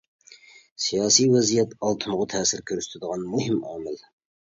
سىياسىي ۋەزىيەت ئالتۇنغا تەسىر كۆرسىتىدىغان مۇھىم ئامىل.